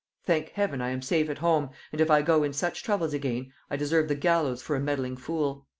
Thank heaven I am safe at home, and if I go in such troubles again, I deserve the gallows for a meddling fool.